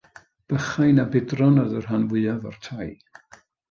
Bychain a budron oedd y rhan fwyaf o'r tai.